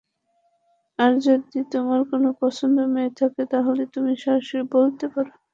আর যদি তোমার কোন পছন্দ মেয়ে থাকে, তাহলে তুমি সরাসরি বলতে পারো।